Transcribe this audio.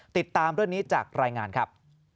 ติดตามด้วยนี้จากรายงานครับ